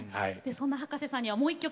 そんな葉加瀬さんにはもう一曲